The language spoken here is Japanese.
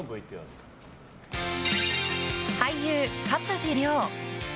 俳優・勝地涼。